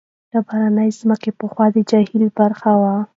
ډبرینه ځمکه پخوا د جهیل برخه وه.